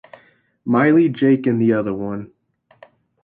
Miley, Jake, and the other one.